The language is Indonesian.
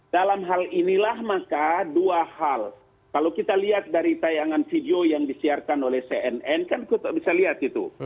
dalam hal inilah maka dua hal kalau kita lihat dari tayangan video yang disiarkan oleh cnn kan kita bisa lihat itu